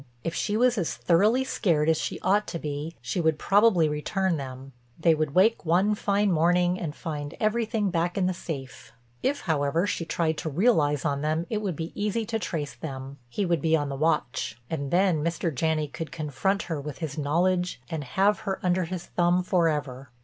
If she was as thoroughly scared as she ought to be, she would probably return them—they would wake one fine morning and find everything back in the safe. If, however, she tried to realize on them it would be easy to trace them—he would be on the watch—and then Mr. Janney could confront her with his knowledge and have her under his thumb forever.